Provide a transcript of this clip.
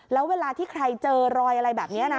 แล้วเวลาที่ใครเจอรอยอะไรแบบนี้นะ